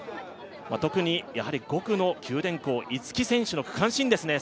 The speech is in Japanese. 特に５区の九電工・逸木選手の区間新ですね。